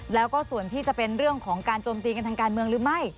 แล้วก็ส่วนที่จะเป็นเรื่องของการโจมตีกันทางการเมืองหรือไม่